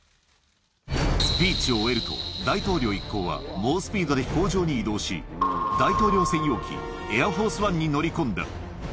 スピーチを終えると大統領一行は、猛スピードで飛行場に移動し、大統領専用機、エアフォースワンに乗り込んだ。